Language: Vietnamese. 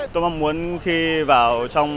tôi mong muốn khi vào trong